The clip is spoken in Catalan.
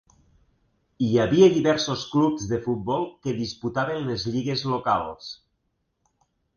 Hi havia diversos clubs de futbol que disputaven les lligues locals.